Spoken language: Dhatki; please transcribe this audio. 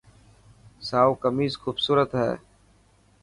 سائو ڪميز خوبصورت هي.